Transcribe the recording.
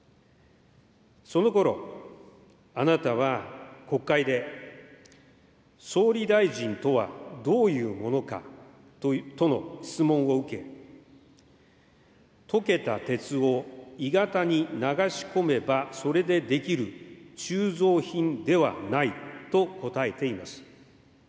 そのころ、あなたは国会で、総理大臣とはどういうものかとの質問を受け、溶けた鉄を鋳型に流し込めばそれで出来る鋳造品ではないと答えています。